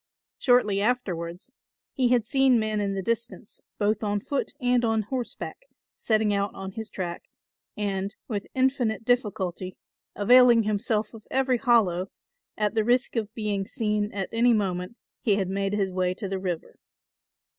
Shortly afterwards he had seen men in the distance, both on foot and on horseback, setting out on his track and, with infinite difficulty, availing himself of every hollow, at the risk of being seen at any moment he had made his way to the river.